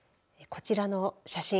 こちらの写真。